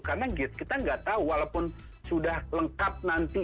karena kita nggak tahu walaupun sudah lengkap nanti